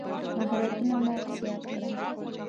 مهارتونه مو زیات کړئ